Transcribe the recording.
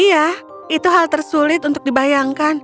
iya itu hal tersulit untuk dibayangkan